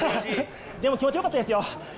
でも気持ちよかったですよ。